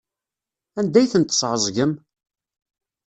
Anda ay ten-tesɛeẓgem?